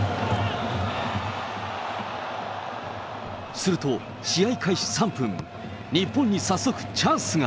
すると、試合開始３分、日本に早速チャンスが。